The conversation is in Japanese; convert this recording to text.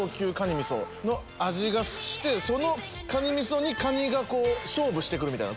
みその味がしてそのカニみそにカニが勝負して来るみたいな。